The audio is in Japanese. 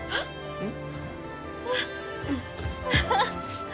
うん？